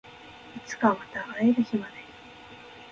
いつかまた会える日まで